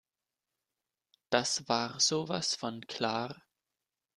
Das war sowas von klar.